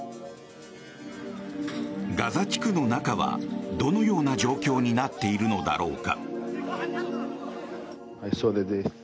ガザ地区の中はどのような状況になっているのだろうか。